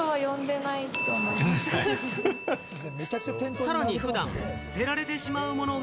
さらに普段捨てられてしまうものが。